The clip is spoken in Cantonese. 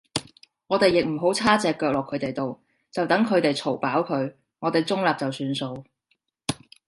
我哋亦唔好叉隻腳落佢哋度，就等佢哋嘈飽佢，我哋中立就算數